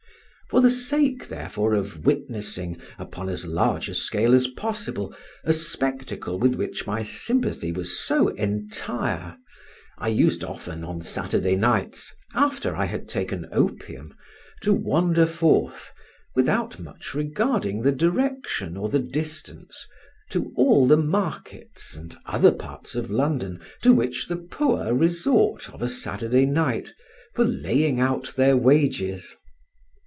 For the sake, therefore, of witnessing, upon as large a scale as possible, a spectacle with which my sympathy was so entire, I used often on Saturday nights, after I had taken opium, to wander forth, without much regarding the direction or the distance, to all the markets and other parts of London to which the poor resort of a Saturday night, for laying out their wages.